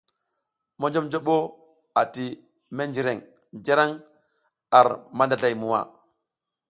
Monjoɓnjoɓo ati menjreŋ njǝraŋ ar mandazlay muwa.